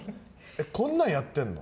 こんなんやってんの？